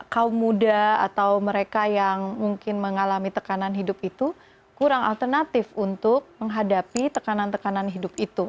kaum muda atau mereka yang mungkin mengalami tekanan hidup itu kurang alternatif untuk menghadapi tekanan tekanan hidup itu